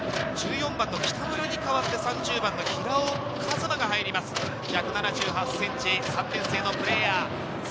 １４番の北村に代わって３０番の平尾和麿が入ります、１７８ｃｍ、３年生のプレーヤー。